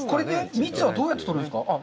蜜はどうやって取るんですか？